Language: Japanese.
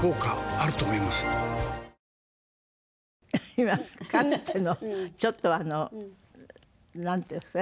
今かつてのちょっとあのなんていうんですかね？